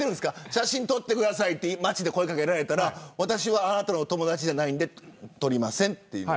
写真撮ってくださいと街で声掛けられたら私はあなたの友達ではないんで撮りませんと。